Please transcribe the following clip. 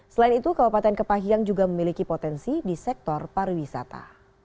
selain itu kabupaten kepahiang juga memiliki potensi di sektor pariwisata